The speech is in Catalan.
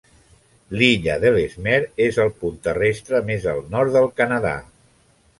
L'illa d'Ellesmere és el punt terrestre més al nord del Canadà.